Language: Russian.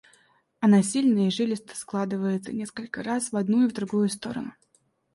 Она сильно и жилисто складывается несколько раз в одну и в другую сторону.